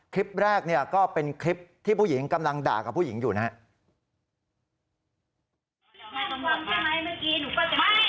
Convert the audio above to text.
คลิปแรกเนี่ยก็เป็นคลิปที่ผู้หญิงกำลังด่ากับผู้หญิงอยู่นะครับ